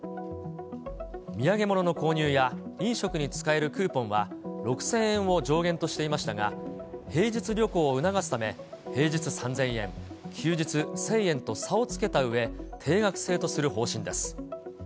土産物の購入や飲食に使えるクーポンは、６０００円を上限としていましたが、平日旅行を促すため、平日３０００円、休日１０００円と差をつけたうえ、定額制とする方針です。